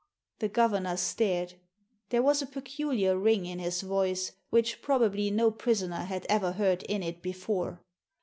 The governor stared. There was a peculiar ring in his voice, which probably no prisoner had ever heard in it before.